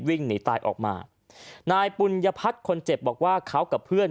วิ่งหนีตายออกมานายปุญญพัฒน์คนเจ็บบอกว่าเขากับเพื่อน